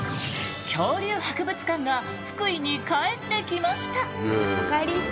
恐竜博物館が福井に帰ってきました！